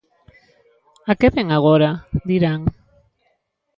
"A que vén agora?", dirán.